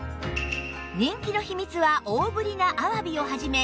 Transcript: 人気の秘密は大ぶりなアワビを始め